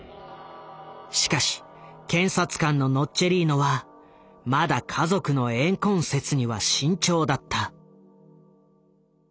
しかし検察官のノッチェリーノはまだ家族の怨恨説には慎重だった。